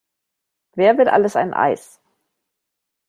Wer will alles ein Eis?